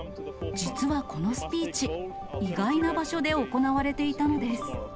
実はこのスピーチ、意外な場所で行われていたのです。